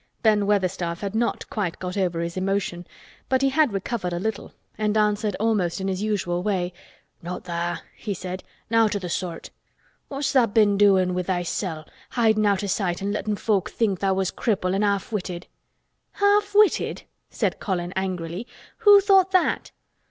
Ben Weatherstaff had not quite got over his emotion, but he had recovered a little and answered almost in his usual way. "Not tha'," he said. "Nowt o' th' sort. What's tha' been doin' with thysel'—hidin' out o' sight an' lettin' folk think tha' was cripple an' half witted?" "Half witted!" said Colin angrily. "Who thought that?"